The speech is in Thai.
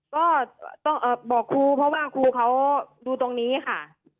ก็ต้องบอกครูเพราะว่าครูเขาดูตรงนี้ค่ะ